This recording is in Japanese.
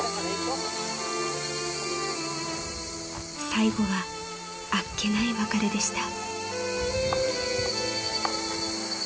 ［最後はあっけない別れでした］